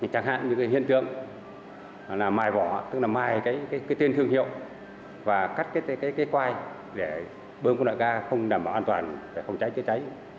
chẳng hạn như hiện tượng mài vỏ tức là mài tên thương hiệu và cắt cái quai để bơm con đoạn ga không đảm bảo an toàn không cháy chứa cháy